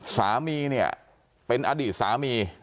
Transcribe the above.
สามีเนี่ยเป็นอดีตสามี